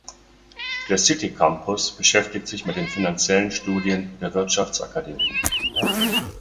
Der City Campus beschäftigt sich mit den finanziellen Studien der Wirtschaftsakademie.